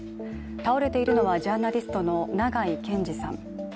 倒れているのはジャーナリストの長井健司さん。